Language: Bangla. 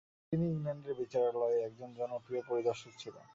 তিনি ইংল্যান্ডের বিচারালয়ে একজন জনপ্রিয় পরিদর্শক ছিলেন।